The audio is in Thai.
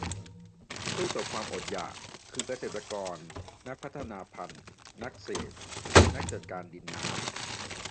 สู้กับความอดอยาก คือเกษตรกร นักพัฒนาพันธุ์ นักเศรษฐ์ นักจัดการดิน-น้ำ